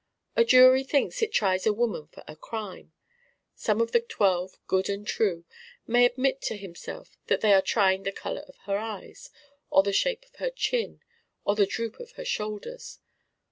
A jury thinks it tries a woman for a crime. Some of the twelve good and true may admit each to himself that they are trying the color of her eyes or the shape of her chin or the droop of her shoulders.